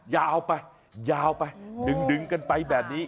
ยาวไปยาวไปดึงกันไปแบบนี้